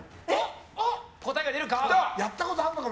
答えが出るか？